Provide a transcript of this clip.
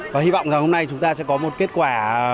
và hy vọng là hôm nay chúng ta sẽ có một kết quả